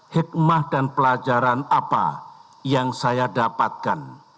hikmah dan pelajaran apa yang saya dapatkan